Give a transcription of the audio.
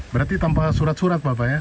berarti tanpa surat surat bapak ya